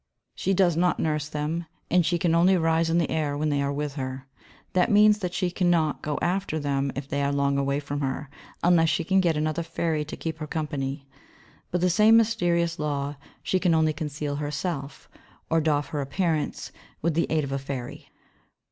She does not nurse them and she can only rise in the air when they are with her. That means that she cannot go after them if they are long away from her, unless she can get another fairy to keep her company. By the same mysterious law she can only conceal herself, or doff her appearance, with the aid of a fairy.